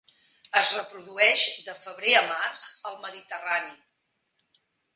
Es reprodueix de febrer a març al Mediterrani.